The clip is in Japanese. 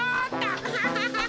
アハハハハ！